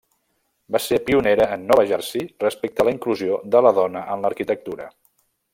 Va ser pionera en Nova Jersey respecte a la inclusió de la dona en l'arquitectura.